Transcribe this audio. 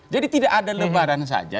jadi tidak ada lebaran saja